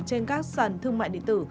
trên các sản thương mại điện tử